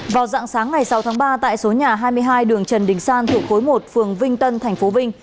vào dạng sáng ngày sáu tháng ba tại số nhà hai mươi hai đường trần đình san thuộc khối một phường vinh tân tp vinh